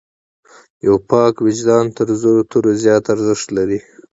یو پاک وجدان تر زرو تورو زیات ارزښت لري.